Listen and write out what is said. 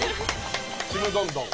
「ちむどんどん」。